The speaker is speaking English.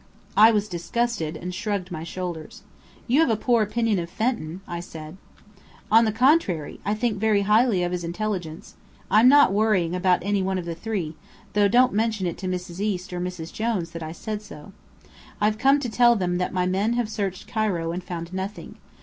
I was disgusted, and shrugged my shoulders. "You have a poor opinion of Fenton," I said. "On the contrary, I think very highly of his intelligence. I'm not worrying about any one of the three, though don't mention it to Mrs. East or Mrs. Jones that I said so. I've come to tell them that my men have searched Cairo and found nothing.